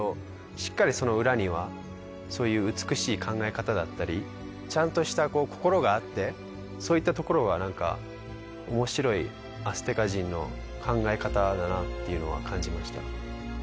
しっかりその裏にはそういう美しい考え方だったりちゃんとしたこう心があってそういったところは何か面白いアステカ人の考え方だなっていうのは感じました